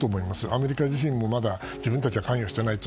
アメリカ自身も自分たちは関与してないと。